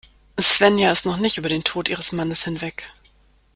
Svenja ist noch nicht über den Tod ihres Mannes hinweg.